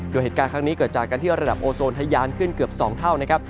โดยเหตุการณ์ที่เกิดจากกันที่ระดับโอโซนทอยานขึ้นเกือบ๒เท่าเนี่ยครับ